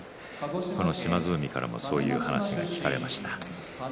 島津海からも、そういう話が聞かれました。